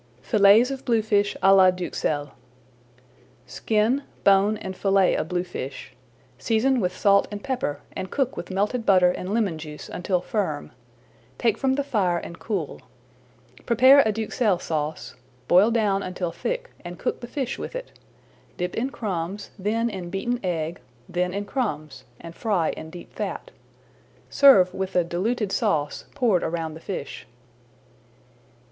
FILLETS OF BLUEFISH À LA DUXELLES Skin, bone, and fillet a bluefish. Season with salt and pepper, and cook with melted butter and lemon juice until firm. Take from the fire and cool. Prepare a Duxelles Sauce, boil down until thick, and cook the fish with it. Dip in crumbs, then in beaten egg, then in crumbs, and fry in deep fat. Serve with the diluted sauce poured around the fish.